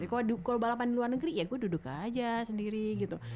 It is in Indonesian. kalo balapan di luar negeri ya gue duduk aja sendiri gitu